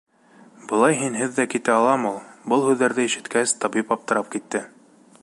Былай һинһеҙ ҙә китә алам ул. Был һүҙҙәрҙе ишеткәс, табип аптырап китте.